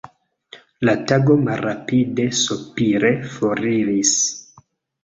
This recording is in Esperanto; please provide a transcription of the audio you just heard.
La tago malrapide sopire foriris.